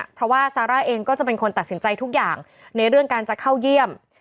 เพราะว่าซาร่าเองก็จะเป็นคนตัดสินใจทุกอย่างในเรื่องการจะเข้าเยี่ยม